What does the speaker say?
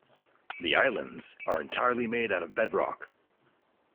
The islands are entirely made out of bedrock.